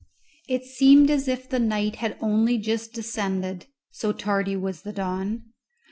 It seemed as if the night had only just descended, so tardy was the dawn.